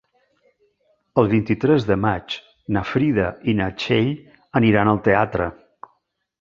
El vint-i-tres de maig na Frida i na Txell aniran al teatre.